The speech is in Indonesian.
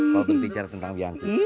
kalau berbicara tentang wianti